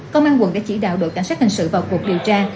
công an quận đã chỉ đạo đội cảnh sát hình sự vào cuộc điều tra